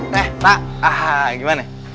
nih pak gimana